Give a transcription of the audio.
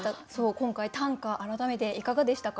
今回短歌改めていかがでしたか？